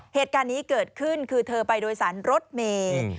เหตุการณ์นี้เกิดขึ้นคือเธอไปโดยสารรถเมย์